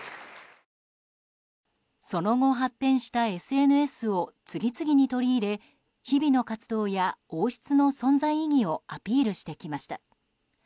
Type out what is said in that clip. その後、発展したＳＮＳを次々に取り入れ日々の活動や王室の存在意義をアピールしてきました。